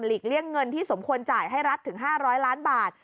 เลี่ยงเงินที่สมควรจ่ายให้รัฐถึง๕๐๐ล้านบาท